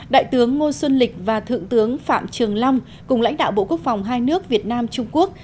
đại tướng ngô xuân lịch và thượng tướng phạm trường long cùng lãnh đạo bộ quốc phòng hai nước việt nam trung quốc